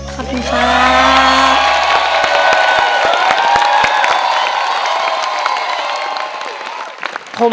ขอบคุณค่ะ